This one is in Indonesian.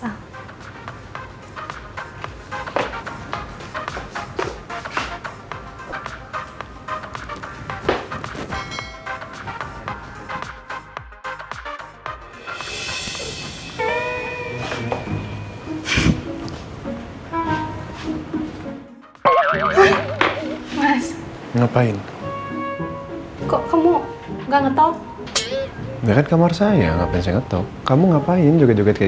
mah ngapain kok kamu nggak ngetok dengan kamar sayang zencito kamu ngapain juga juga kita